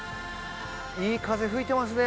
いい風吹いてますね。